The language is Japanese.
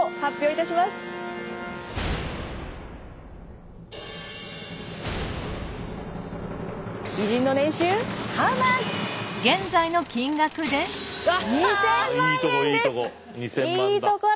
いいところ。